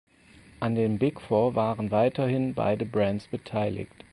An den "Big Four" waren weiterhin beide Brands beteiligt.